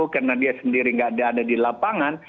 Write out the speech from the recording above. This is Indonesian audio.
karena dia sendiri tidak ada di lapangan